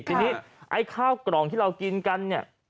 ทีนี้ไอ้ข้าวกล่องที่เรากินกันเนี่ย